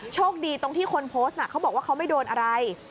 โชคดีตรงที่คนโพสต์น่ะเขาบอกว่าเขาไม่โดนอะไร